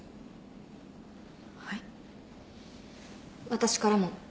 私からも。